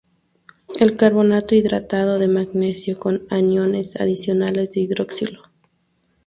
Es carbonato hidratado de magnesio, con aniones adicionales de hidroxilo.